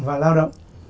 và lao động